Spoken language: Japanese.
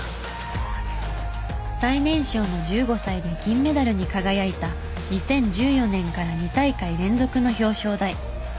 最年少の１５歳で銀メダルに輝いた２０１４年から２大会連続の表彰台。